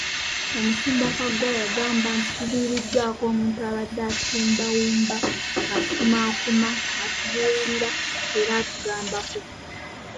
Omusumba Kaggwa yagamba nti tuviiriddwako omuntu abadde atuwumbawumba, atukumaakuma, atubuulirira era atugambako.